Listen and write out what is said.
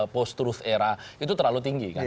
post truth era itu terlalu tinggi kan